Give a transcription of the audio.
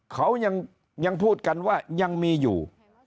เขายังพูดกันว่ายังมีอยู่